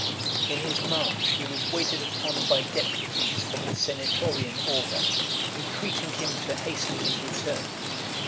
XLIX. In his march he was waited upon by deputies from the senatorian order, entreating him to hasten his return.